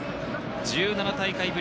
１７大会ぶり